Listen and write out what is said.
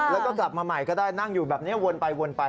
แล้วก็กลับมาใหม่ก็ได้นั่งอยู่แบบนี้วนไปวนไป